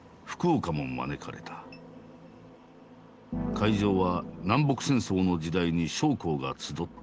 会場は南北戦争の時代に将校が集ったホール。